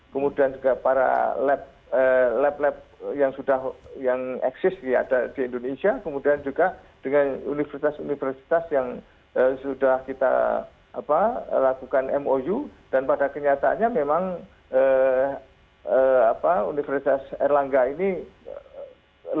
kemudian juga para lab lab lab yang sudah yang eksis di indonesia kemudian juga dengan universitas universitas yang sudah kita lakukan mou dan pada kenyataannya memang universitas erlangga ini